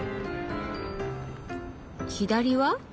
左は？